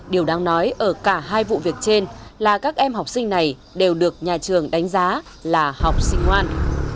điều đáng nói ở cả hai vụ việc trên là các em học sinh này đều được nhà trường đánh giá là học sinh ngoan